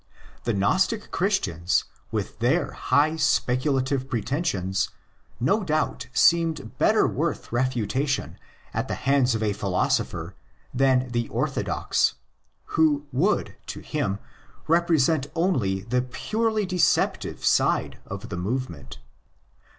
The Gnostic Christians, with their high speculative pretensions, no doubt seemed better worth refutation at the hands of a philosopher than the orthodox, who would, to him, represent only the purely deceptive side of the movement.